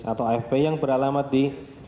atau afp yang beralamat di